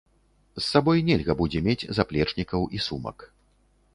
З сабой нельга будзе мець заплечнікаў і сумак.